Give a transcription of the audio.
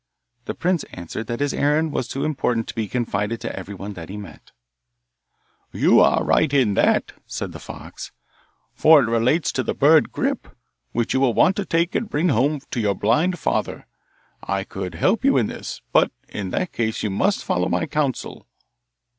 The prince answered that his errand was too important to be confided to everyone that he met. 'You are right in that,' said the fox, 'for it relates to the bird Grip, which you want to take and bring home to your blind father; I could help you in this, but in that case you must follow my counsel.